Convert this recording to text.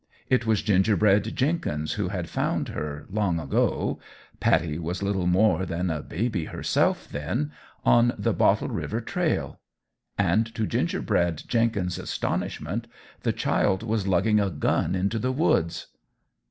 It was Gingerbread Jenkins who had found her, long ago Pattie was little more than a baby herself, then on the Bottle River Trail; and to Gingerbread Jenkins' astonishment the child was lugging a gun into the woods.